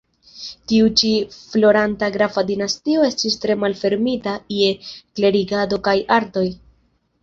Tiu ĉi floranta grafa dinastio estis tre malfermita je klerigado kaj artoj.